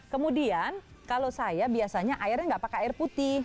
kemudian kalau saya biasanya airnya nggak pakai air putih